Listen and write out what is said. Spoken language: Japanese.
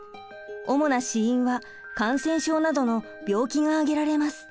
主な死因は感染症などの病気が挙げられます。